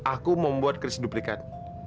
aku membuat keris duplikat